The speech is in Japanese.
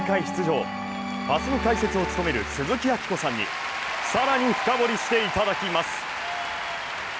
出場明日の解説を務める鈴木明子さんに更に深掘りしていただきます。